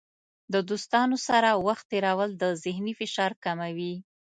د دوستانو سره وخت تیرول د ذهني فشار کموي.